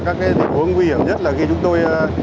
các tình huống nguy hiểm nhất là khi chúng tôi